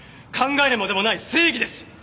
考えるまでもない正義です！